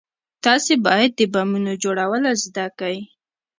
تاسې بايد د بمونو جوړول زده كئ.